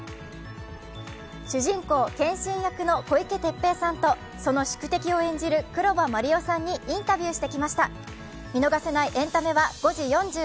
主人公・剣心役の小池徹平さんとその宿敵を演じる黒羽麻璃央さんにインタビューしてきました。